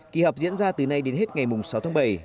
kỳ họp diễn ra từ nay đến hết ngày sáu tháng bảy